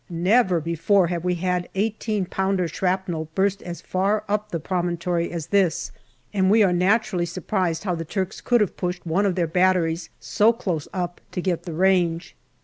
Never before have we had i8 pounder shrapnel burst as far up the promontory as this, and we are naturally sur prised how the Turks could have pushed one of their batteries so close up to get the range.